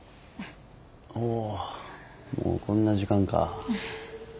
ああもうこんな時間か。